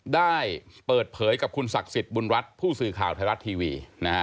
ได้เปิดเผยกับคุณศักดิ์สิทธิ์บุญรัฐผู้สื่อข่าวไทยรัฐทีวี